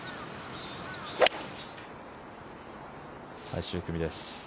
最終組です。